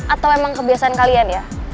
atau memang kebiasaan kalian ya